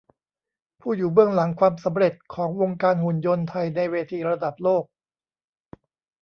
ผู้อยู่เบื้องหลังความสำเร็จของวงการหุ่นยนต์ไทยในเวทีระดับโลก